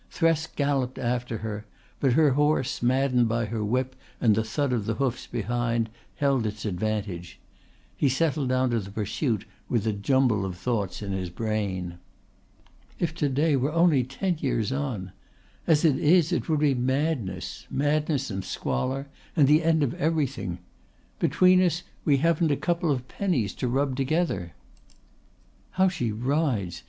Thresk galloped after her, but her horse, maddened by her whip and the thud of the hoofs behind, held its advantage. He settled down to the pursuit with a jumble of thoughts in his brain. "If to day were only ten years on ... As it is it would be madness ... madness and squalor and the end of everything ... Between us we haven't a couple of pennies to rub together ... How she rides!